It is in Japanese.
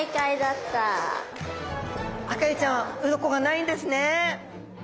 アカエイちゃんは鱗がないんですね。